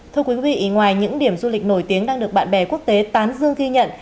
thưa quý vị ngoài những điểm du lịch nổi tiếng đang được bạn bè quốc tế tán dương ghi nhận